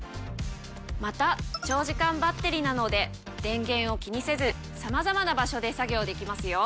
また長時間バッテリなので電源を気にせずさまざまな場所で作業できますよ。